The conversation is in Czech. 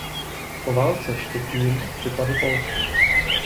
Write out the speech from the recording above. Po válce Štětín připadl Polsku.